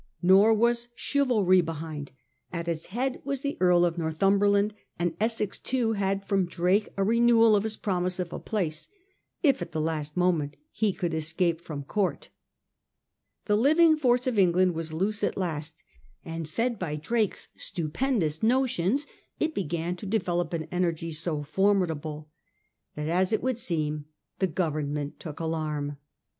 Nor was chivalry behind. At its head was the Earl of Northumberland, and Essex too had from Drake a renewal of his promise of a place, if at the last moment he could escape from Court The living force of England was loose at last, and fed by Drake's stupendous notions it began to develop an energy so formidable, that as it would seem the Government took alarm.